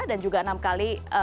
dan juga enam kali